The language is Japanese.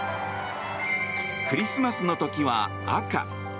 クリスマスの時は赤。